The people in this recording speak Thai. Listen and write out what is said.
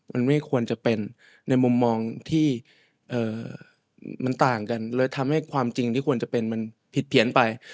มันไม่ควรจะเป็นในมุมมองที่มันต่างกันเลยทำให้ความจริงที่ควรจะเป็นมันผิดเพี้ยนไป